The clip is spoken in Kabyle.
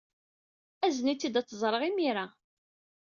Azen-itt-id, ad tt-ẓreɣ imir-a.